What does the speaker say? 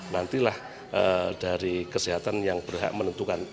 nantilah dari kesehatan yang berhak menentukan